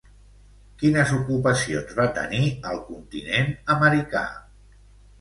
Quines ocupacions va tenir al continent americà?